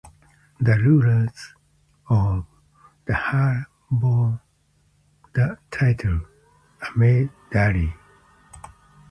The rulers of Dhala bore the title "Amir Dali'".